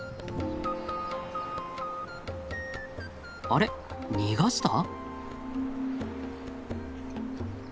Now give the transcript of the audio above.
あれ逃がした？